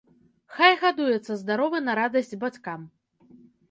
Хай гадуецца здаровы на радасць бацькам.